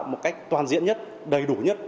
làm một cách toàn diện nhất đầy đủ nhất